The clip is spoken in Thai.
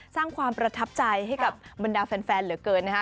สร้างความประทับใจให้กับบรรดาแฟนเหลือเกินนะคะ